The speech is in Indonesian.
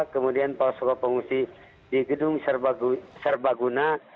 kemudian posko pengungsi di gedung serbaguna